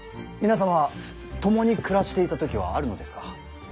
皆様共に暮らしていた時はあるのですか。